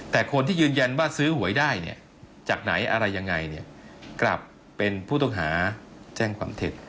แต่คนที่ยืนยันว่าซื้อหวยได้เนี่ยจากไหนอะไรยังไงเนี่ยกลับเป็นผู้ต้องหาแจ้งความเท็จ